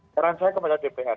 saran saya kepada dpr